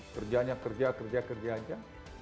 kerjanya kerja kerja kerja aja